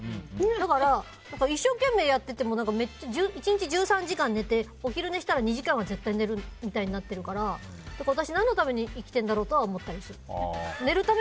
だから一生懸命やってても１日１３時間寝てお昼寝したら２時間は絶対寝るみたいになってるから私、何のために生きてるんだろうとは思ったりする。